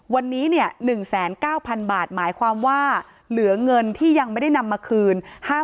วันนี้๑๙๐๐บาทหมายความว่าเหลือเงินที่ยังไม่ได้นำมาคืน